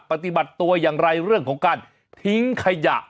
ปฏิบัติตัวอย่างไรเรื่องของการทิ้งขยะ